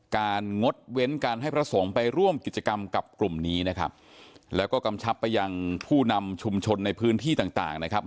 งดเว้นการให้พระสงฆ์ไปร่วมกิจกรรมกับกลุ่มนี้นะครับแล้วก็กำชับไปยังผู้นำชุมชนในพื้นที่ต่างต่างนะครับ